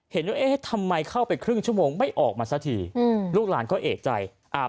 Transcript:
เห็นเยอะทำไมเข้าไปครึ่งชมไม่ออกมาซักที